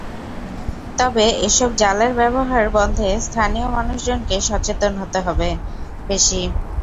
তবে এসব জালের ব্যবহার বন্ধে স্থানীয় মানুষজনকে সচেতন হতে হবে বেশি।